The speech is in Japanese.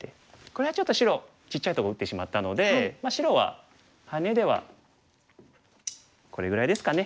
これはちょっと白ちっちゃいとこ打ってしまったので白はハネではこれぐらいですかね。